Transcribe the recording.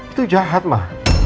itu jahat ma